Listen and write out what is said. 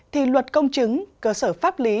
thì luật công chứng cơ sở pháp lý